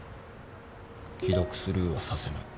既読スルーはさせない。